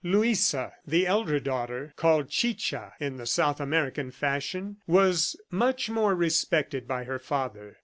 Luisa, the elder daughter, called Chicha, in the South American fashion, was much more respected by her father.